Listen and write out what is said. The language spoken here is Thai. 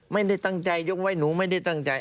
ไม่ได้ตั้งใจยกไว้หนูไม่ได้ตั้งใจ